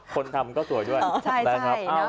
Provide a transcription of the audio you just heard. คนทำก็สวยด้วยใช่น่ะ